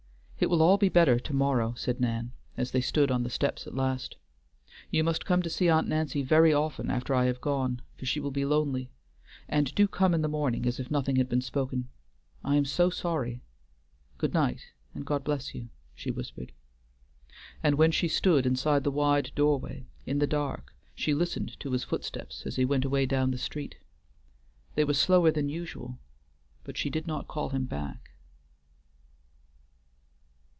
"It will all be better to morrow," said Nan, as they stood on the steps at last. "You must come to see Aunt Nancy very often after I have gone, for she will be lonely. And do come in the morning as if nothing had been spoken. I am so sorry. Good night, and God bless you," she whispered; and when she stood inside the wide doorway, in the dark, she listened to his footsteps as he went away down the street. They were slower than usual, but she did not call him back.